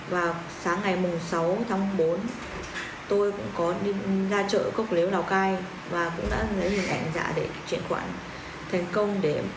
vào sáng ngày sáu tháng bốn tôi cũng có đi ra chợ cốc lếu lào cai và cũng đã lấy hình ảnh giả để chuyển khoản thành công